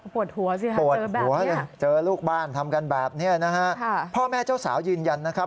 ปวดหัวสิครับเจอแบบนี้นะฮะพ่อแม่เจ้าสาวยืนยันนะครับ